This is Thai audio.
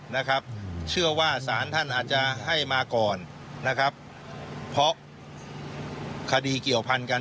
นะครับเชื่อว่าศาลท่านอาจจะให้มาก่อนนะครับเพราะคดีเกี่ยวพันกัน